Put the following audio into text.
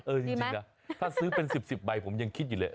จริงนะถ้าซื้อเป็น๑๐ใบผมยังคิดอยู่เลย